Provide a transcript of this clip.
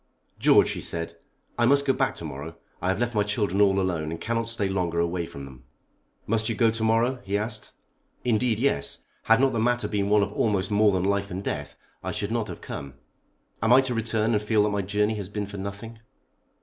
"George," she said, "I must go back to morrow. I have left my children all alone and cannot stay longer away from them." "Must you go to morrow?" he asked. "Indeed, yes. Had not the matter been one of almost more than life and death I should not have come. Am I to return and feel that my journey has been for nothing?"